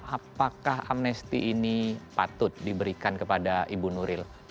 apakah amnesti ini patut diberikan kepada ibu nuril